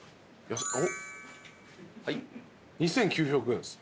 ２，９００円です。